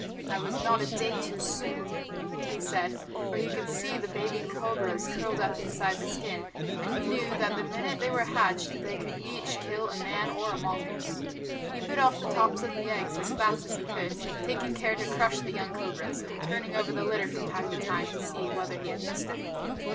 "I was not a day too soon," he said, for he could see the baby cobras curled up inside the skin, and he knew that the minute they were hatched they could each kill a man or a mongoose. He bit off the tops of the eggs as fast as he could, taking care to crush the young cobras, and turned over the litter from time to time to see whether he had missed any.